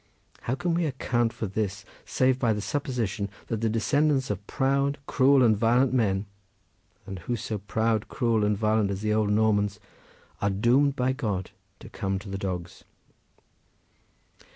How can we account for this save by the supposition that the descendants of proud, cruel and violent men—and who so proud, cruel and violent as the old Normans—are doomed by God to come to the dogs?"